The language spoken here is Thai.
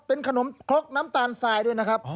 เป็นขนมครกน้ำตาลทรายด้วยนะครับ